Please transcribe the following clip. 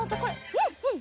うんうん！